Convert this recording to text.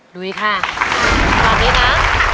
ลุยค่ะตอนนี้นะ